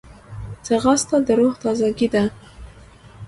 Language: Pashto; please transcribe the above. ځغاسته د روح تازګي ده